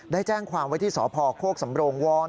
ได้แจ้งความว่าที่สพโฆษ์สำโรงวรรณ์